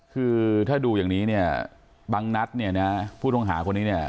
คือถ้าดูอย่างนี้บางนัดผู้ต้องหาคนนี้